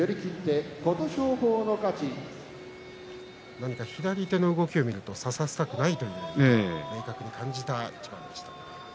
何か左手の動きを見ると差させたくないという明確に感じた一番でした。